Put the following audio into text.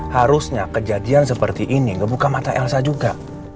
harusnya kejadian seperti ini ngebuka mata elsa juga